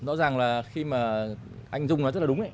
rõ ràng là khi mà anh dung nói rất là đúng ấy